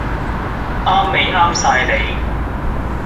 啱味啱晒你